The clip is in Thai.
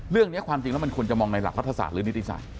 เรื่องนี้ความจริงแล้วมันควรจะมองในหลักรัฐศาสตร์หรือนิติศาสต